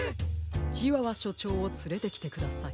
チワワしょちょうをつれてきてください。